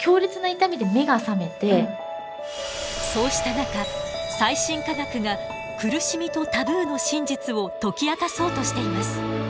そうした中最新科学が苦しみとタブーの真実を解き明かそうとしています。